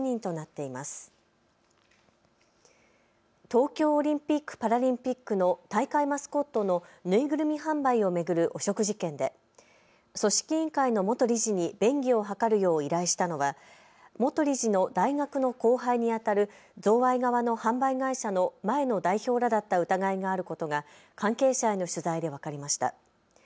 東京オリンピック・パラリンピックの大会マスコットの縫いぐるみ販売を巡る汚職事件で組織委員会の元理事に便宜を図るよう依頼したのは元理事の大学の後輩にあたる贈賄側の販売会社の前の代表らだった疑いがあることが関係者への取材で分かりました。